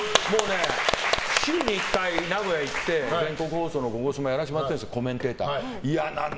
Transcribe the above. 週に１回名古屋行って全国放送の「ゴゴスマ」やらせてもらってるんです。